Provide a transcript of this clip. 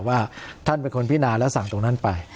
ว่าท่านเป็นคนพินาแล้วสั่งตรงนั้นไป